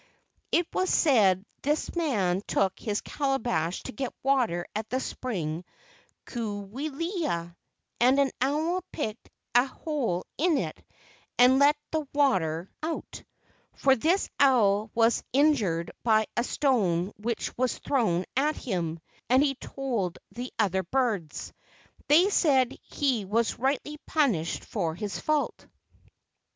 It was said this man took his calabash to get water at the spring Kauwila, and an owl picked a hole in it and let the water i 82 LEGENDS OF GHOSTS out. For this the owl was injured by a stone which was thrown at him, and he told the other birds. They said he was rightly punished for his fault.